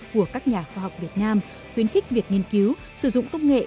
của các nhà khoa học việt nam khuyến khích việc nghiên cứu sử dụng công nghệ